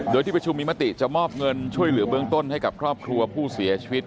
โดยที่ประชุมมีมติจะมอบเงินช่วยเหลือเบื้องต้นให้กับครอบครัวผู้เสียชีวิต